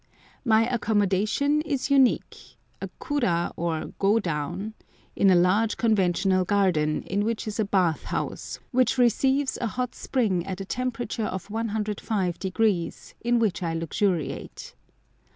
My accommodation is unique—a kura, or godown, in a large conventional garden, in which is a bath house, which receives a hot spring at a temperature of 105°, in which I luxuriate.